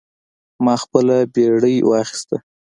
ما خپله بیړۍ واخیسته.